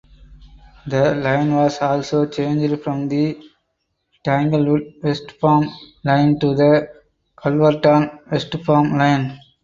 The line was also changed from the Tanglewood–Westfarm Line to the Calverton–Westfarm Line.